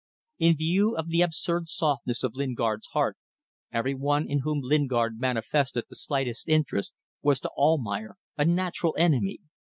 In view of the absurd softness of Lingard's heart, every one in whom Lingard manifested the slightest interest was to Almayer a natural enemy.